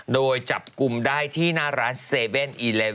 โดยจับกลุ่มได้ที่หน้าร้าน๗๑๑อีเลม